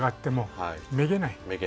めげない。